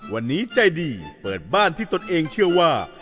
วันนี้ใจดีเปิดบ้านที่ตนเองเชื่อว่า